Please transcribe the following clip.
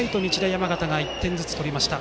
山形が１点ずつ取りました。